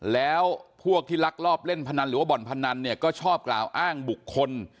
แล้วพวกที่ลักลอบเล่นพนันหรือว่าบ่อนพนันเนี่ยก็ชอบกล่าวอ้างบุคคล